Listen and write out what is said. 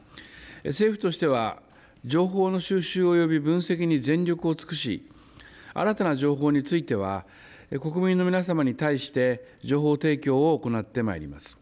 政府としては、情報の収集および分析に全力を尽くし、新たな情報については、国民の皆様に対して、情報提供を行ってまいります。